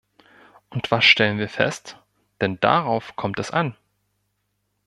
Und was stellen wir fest, denn darauf kommt es an?